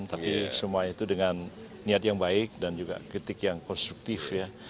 tapi semuanya itu dengan niat yang baik dan juga kritik yang konstruktif ya